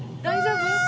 大丈夫？